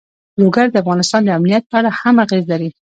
لوگر د افغانستان د امنیت په اړه هم اغېز لري.